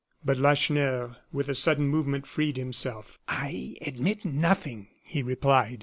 But Lacheneur, with a sudden movement, freed himself. "I admit nothing," he replied.